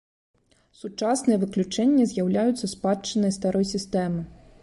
Сучасныя выключэнні з'яўляюцца спадчынай старой сістэмы.